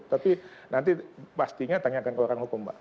tapi nanti pastinya tanyakan ke orang hukum pak